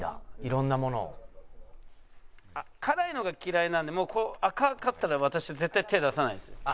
辛いのが嫌いなんでもう赤かったら私は絶対手出さないです。